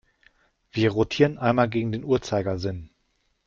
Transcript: Wir rotieren einmal gegen den Uhrzeigersinn.